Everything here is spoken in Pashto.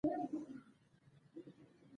ماشوم د ښوونځي جامې اغوستېږي.